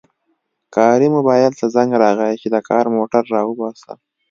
کاري موبایل ته زنګ راغی چې د کار موټر راوباسه